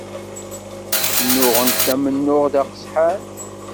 Nnuɣent amennuɣ d aqesḥan.